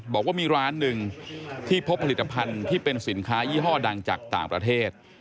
บอกว่ามีร้านหนึ่งที่พบผลิตภัณฑ์ที่เป็นสินค้ายี่ห้อดังจากต่างประเทศ